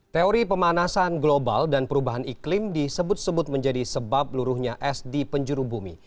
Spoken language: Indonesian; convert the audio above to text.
teori pemanasan global dan perubahan iklim disebut sebut menjadi sebab luruhnya es di penjuru bumi